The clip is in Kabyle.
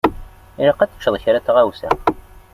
Ilaq ad teččeḍ kra n tɣawsa.